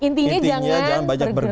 intinya jangan bergerak